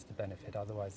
setiap penduduk yang terlibat